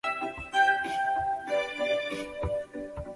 后邀请罽宾三藏弗若多罗至长安传授戒律。